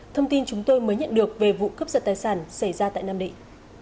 thông tin chúng tôi mới nhận được về vụ cướp giật tài sản xảy ra tại nam định